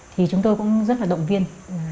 thì chúng tôi cũng rất là động viên